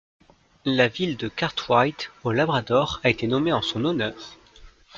La ville de Cartwright au Labrador a été nommée en son honneur.